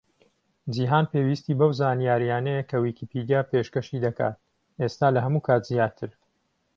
جیهان پێویستی بەو زانیاریانەیە کە ویکیپیدیا پێشکەشی دەکات، ئێستا لە هەموو کات زیاتر.